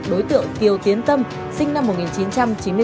đối tượng kiều tiến tâm sinh năm một nghìn chín trăm chín mươi bốn